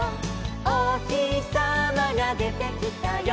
「おひさまがでてきたよ」